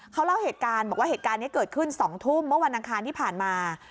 เขาเล่าเหตุการณ์บอกว่าเหตุการณ์นี้เกิดขึ้น๒ทุ่มเมื่อวันอังคารที่ผ่านมา